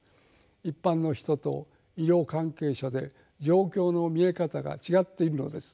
一般の人と医療関係者で状況の見え方が違っているのです。